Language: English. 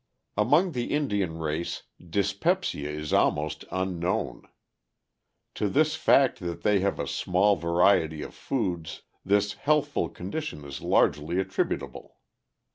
Among the Indian race dyspepsia is almost unknown. To this fact that they have a small variety of foods, this healthful condition is largely attributable.